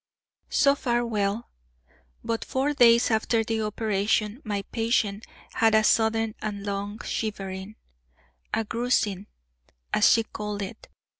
So far well; but four days after the operation my patient had a sudden and long shivering, a "groosin'," as she called it.